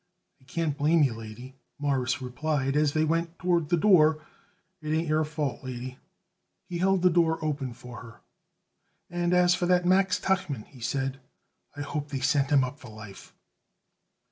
"I can't blame you, lady," Morris replied as they went toward the front door. "It ain't your fault, lady." He held the door open for her. "And as for that Max Tuchman," he said, "I hope they send him up for life."